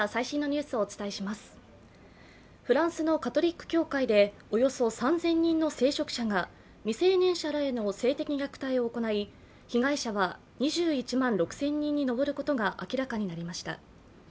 フランスのカトリック教会でおよそ３０００人の聖職者が未成年者らへの性的虐待を行い被害者は２１万６０００人に上ることが明らかになりました。